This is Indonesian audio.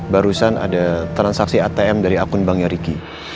barusan ada transaksi atm dari akun banknya ricky